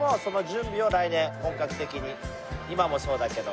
今もそうだけど。